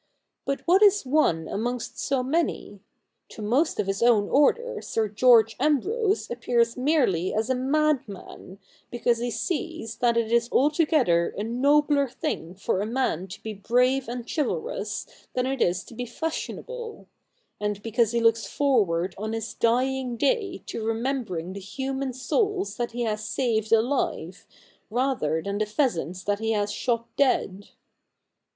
But what is one amongst so many ? To most of his own order Sir George Ambrose appears merely as a madman, because he sees that it is altogether a nobler thing for a man to be brave and chivalrous than it is to be fashionable ; and because he looks forward on his dying day to remembering the human souls that he has saved alive, rather than the pheasants that he has shot dead.'